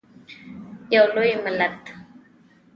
یو لوی ملت.